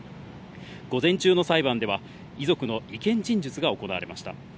午前中の裁判では遺族の意見陳述が行われました。